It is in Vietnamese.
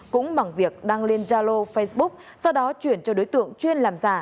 cũng bằng việc đăng lên gia lô facebook sau đó chuyển cho đối tượng chuyên làm giả